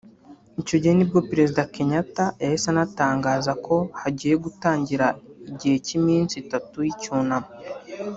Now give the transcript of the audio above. Icyo gihe nibwo Perezida Kenyatta yahise anatangaza ko hagiye gutangira igihe cy’iminsi itatu y’icyunamo